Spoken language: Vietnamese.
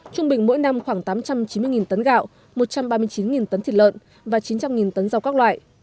trung bình mỗi năm khoảng tám trăm chín mươi tấn gạo một trăm ba mươi chín tấn thịt lợn và chín trăm linh tấn rau các loại